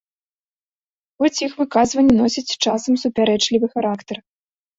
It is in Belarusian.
Хоць іх выказванні носяць часам супярэчлівы характар.